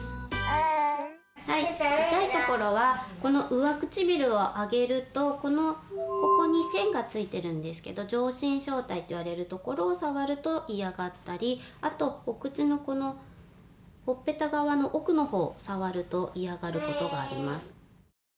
痛いところはこの上唇を上げるとこのここに線がついてるんですけど上唇小帯っていわれるところを触ると嫌がったりあとお口のほっぺた側の奥のほう触ると嫌がることがあります。